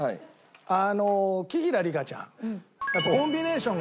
あの紀平梨花ちゃん。